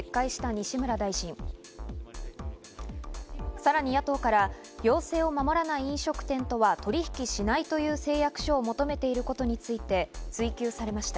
さらに野党から要請を守らない飲食店とは取引しないという誓約書を求めていることについて追及されました。